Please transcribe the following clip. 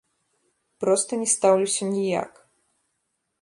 Проста не стаўлюся ніяк.